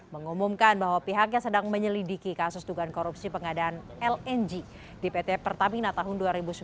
mengumumkan bahwa pihaknya sedang menyelidiki kasus dugaan korupsi pengadaan lng di pt pertamina tahun dua ribu sembilan belas